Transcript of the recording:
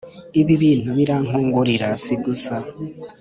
“ibi bintu birankungurira si gusa!